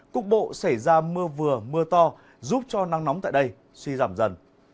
cục bộ xảy ra mưa vừa mưa to giúp cho nắng nóng tại đây suy giảm dần